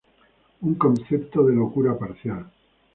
Un concepto de locura parcial.